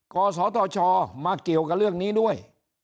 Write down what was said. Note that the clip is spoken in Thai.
กศธชมาเกี่ยวกับเรื่องนี้ด้วย